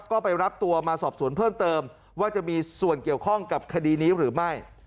ก็ไปรับตัวมาสอบสวนเพิ่มเติมว่าจะมีส่วนเกี่ยวข้องกับคดีนี้หรือไม่